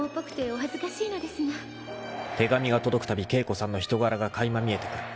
［手紙が届くたび景子さんの人柄が垣間見えてくる。